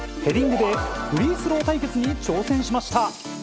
ヘディングでフリースロー対決に挑戦しました。